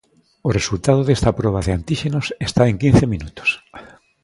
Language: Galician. O resultado desta proba de antíxenos está en quince minutos.